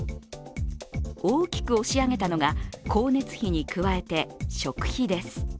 大きく押し上げたのが光熱費に加えて食費です。